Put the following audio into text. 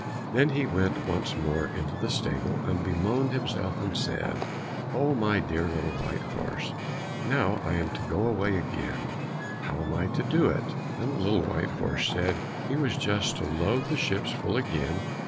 Then he went once more into the stable, and bemoaned himself and said, "Oh, my dear little white horse, now I am to go away again, how am I to do it?" Then the little white horse said he was just to load the ships full again.